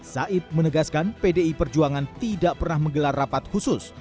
said menegaskan pdi perjuangan tidak pernah menggelar rapat khusus